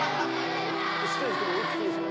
失礼ですけどお幾つですか？